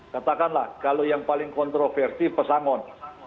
katakanlah kalau yang paling kontroversi pesangon